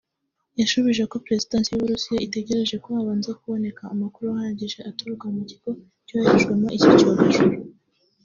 yashubije ko Perezidansi y’u Burusiya itegereje ko habanza kuboneka amakuru ahagije aturuka mu Kigo cyohererejwemo iki cyogajuru